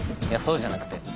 いやそうじゃなくて。